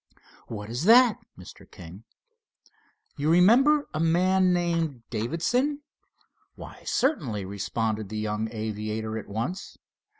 "What is that, Mr. King?" "You remember a man named Davidson?" "Why, certainly," responded the young aviator at once.